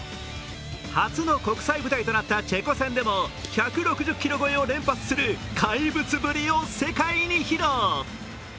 初の国際舞台となったチェコ戦でも１６０キロ超えを連発する怪物ぶりを世界に披露。